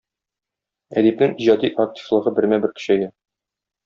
Әдипнең иҗади активлыгы бермә-бер көчәя.